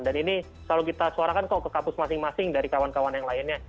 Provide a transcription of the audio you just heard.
dan ini selalu kita suarakan kok ke kapus masing masing dari kawan kawan yang lainnya